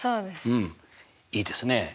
うんいいですね。